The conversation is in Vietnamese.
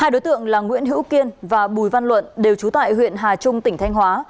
hai đối tượng là nguyễn hữu kiên và bùi văn luận đều trú tại huyện hà trung tỉnh thanh hóa